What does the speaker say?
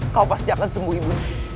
kau pasti akan sembuh ibu